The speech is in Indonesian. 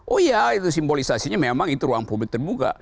oh iya itu simbolisasinya memang itu ruang publik terbuka